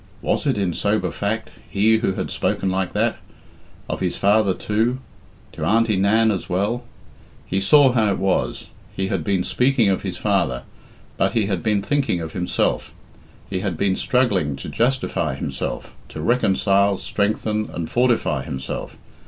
Was it, in sober fact, he who had spoken like that? Of his father too? To Auntie Nan as well? He saw how it was; he had been speaking of his father, but he had been thinking of himself; he had been struggling to justify himself, to reconcile, strengthen, and fortify himself.